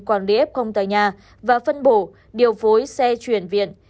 quản lý ép không tại nhà và phân bổ điều phối xe chuyển viện